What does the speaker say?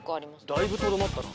だいぶとどまったな。